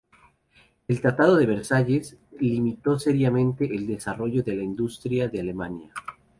El tratado de Versalles limitó seriamente el desarrollo industrial de Alemania.